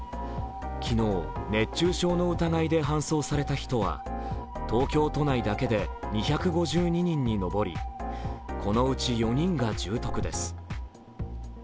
昨日、熱中症の疑いで搬送された人は東京都内だけで２５２人に上りこのうち４人が重篤です。